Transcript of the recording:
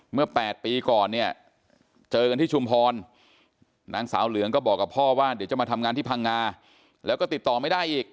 เมื่อ๘ปีก่อนเนี่ยเจอกันที่ชุมพรนางสาวเหลืองก็บอกกับพ่อว่าเดี๋ยวจะมาทำงานที่พังงาแล้วก็ติดต่อไม่ได้อีก